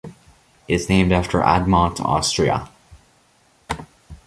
It is named after Admont, Austria.